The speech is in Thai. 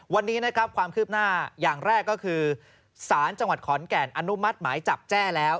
วันนี้นะครับความคืบหน้าอย่างแรกก็คือสารจังหวัดขอนแก่นอนุมัติหมายจับแจ้แล้ว